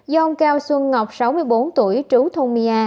do ông cao xuân ngọc sáu mươi bốn tuổi trú thôn mia